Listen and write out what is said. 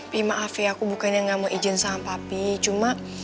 pi maaf ya aku bukannya gak mau izin sama papi cuma